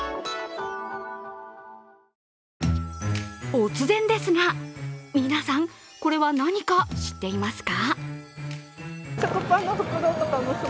突然ですが皆さん、これは何か知っていますか？